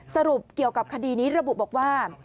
สรุปเกี่ยวกับคดีนี้ระบุบอกว่า